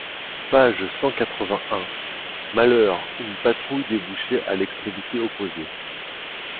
page cent quatre-vingt-un. malheur, une patrouille débouchait à l’extrémité opposée.